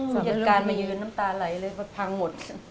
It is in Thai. สำหรับการมายืนน้ำตาไหลเลยพังหมด